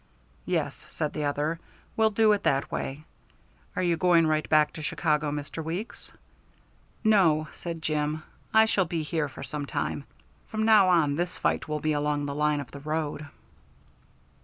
"Yes," said the other. "We'll do it that way. Are you going right back to Chicago, Mr. Weeks?" "No," said Jim. "I shall be here for some time. From now on this fight will be along the line of the road."